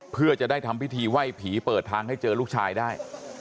เพื่อจะได้ทำพิธีไหว้ผีเปิดทางให้เจอลูกชายได้